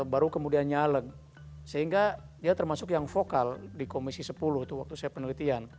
baru kemudian nyaleg sehingga dia termasuk yang vokal di komisi sepuluh itu waktu saya penelitian